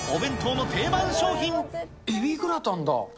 エビグラタンだ。